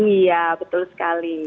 iya betul sekali